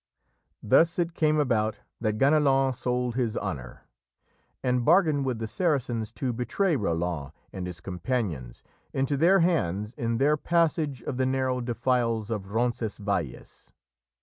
Thus it came about that Ganelon sold his honour, and bargained with the Saracens to betray Roland and his companions into their hands in their passage of the narrow defiles of Roncesvalles.